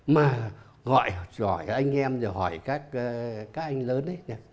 mà gọi anh em rồi hỏi các anh lớn